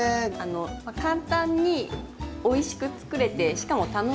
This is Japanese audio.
簡単においしく作れてしかも楽しい。